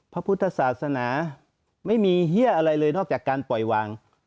พระพุทธศาสนาไม่มีเฮียอะไรเลยนอกจากการปล่อยวาง